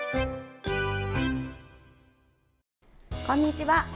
こんにちは。